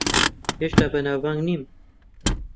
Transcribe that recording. هێشتا بەناوبانگ نیم.